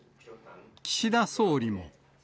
岸田総理も。